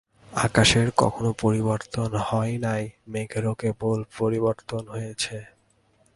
আকাশের কখনও পরিবর্তন হয় নাই, মেঘেরই কেবল পরিবর্তন হইতেছে।